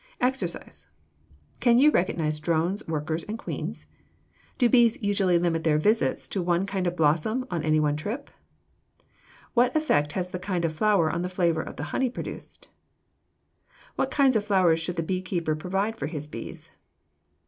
EXERCISE Can you recognize drones, workers, and queens? Do bees usually limit their visits to one kind of blossom on any one trip? What effect has the kind of flower on the flavor of the honey produced? What kinds of flowers should the beekeeper provide for his bees?